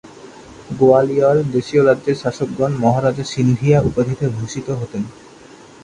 গোয়ালিয়র দেশীয় রাজ্যের শাসকগণ "মহারাজা সিন্ধিয়া" উপাধিতে ভূষিত হতেন।